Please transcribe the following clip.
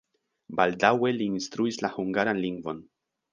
Baldaŭe li instruis la hungaran lingvon.